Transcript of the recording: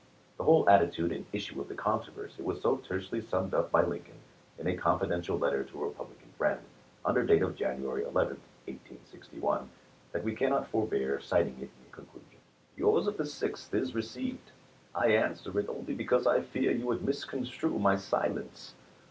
The whole attitude and issue of the controversy was so tersely summed up by Lincoln in a confi dential letter to a Republican friend, under date of January 11, 1861, that we cannot forbear citing it in conclusion : Yours of the Gth is received. I answer it only because I fear you would misconstrue my silence.